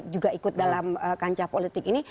juga ikut dalam kancah politik ini